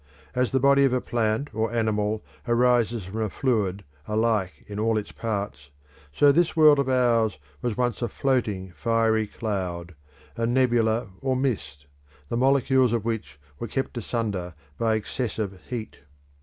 As the body of a plant or animal arises from a fluid alike in all its parts, so this world of ours was once a floating fiery cloud, a nebula or mist, the molecules of which were kept asunder by excessive heat.